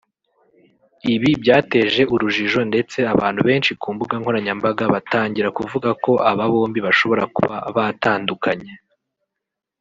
Ibi byateje urujijo ndetse abantu benshi ku mbuga nkoranyambaga batangira kuvuga ko aba bombi bashobora kuba batandukanye